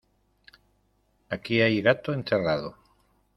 Aquí hay gato encerrado.